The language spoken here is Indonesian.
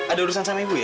ada urusan sama ibu ya